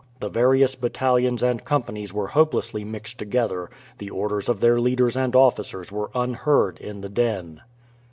The various battalions and companies were hopelessly mixed together; the orders of their leaders and officers were unheard in the din.